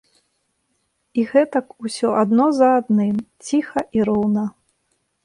І гэтак усё адно за адным, ціха і роўна.